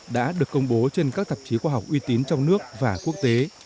đã được công bố trên các tạp chí khoa học uy tín trong nước và quốc tế